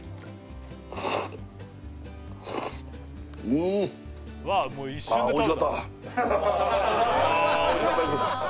うーんっあーおいしかったです